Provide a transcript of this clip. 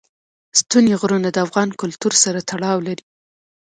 ستوني غرونه د افغان کلتور سره تړاو لري.